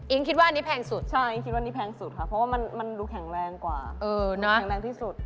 คิดว่าอันนี้แพงสุดใช่อิ๊งคิดว่าอันนี้แพงสุดค่ะเพราะว่ามันดูแข็งแรงกว่าแข็งแรงที่สุด